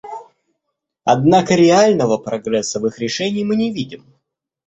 Однако реального прогресса в их решении мы не видим.